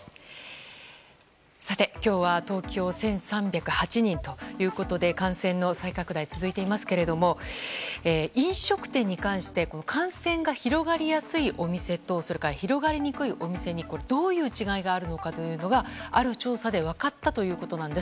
さて、今日は東京１３０８人ということで感染の再拡大が続いていますけれども飲食店に関して感染が広がりやすいお店とそれから広がりにくいお店にどういう違いがあるのかがある調査で分かったということなんです。